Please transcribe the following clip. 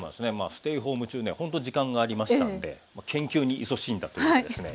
ステイホーム中ねほんと時間がありましたんで研究にいそしんだというですね。